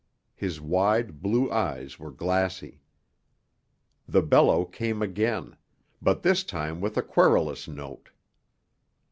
His wide, blue eyes were glassy. The bellow came again, but this time with a querulous note.